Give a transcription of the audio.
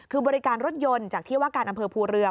คือบริการรถยนต์จากที่ว่าการอำเภอภูเรือ